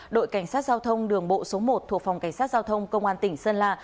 đội cảnh sát giao thông đường bộ số một thuộc phòng cảnh sát giao thông công an tỉnh sơn la